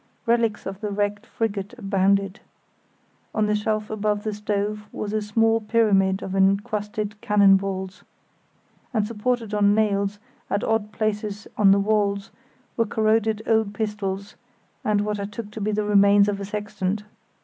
Relics of the wrecked frigate abounded. On a shelf above the stove was a small pyramid of encrusted cannon balls, and supported on nails at odd places on the walls were corroded old pistols, and what I took to be the remains of a sextant.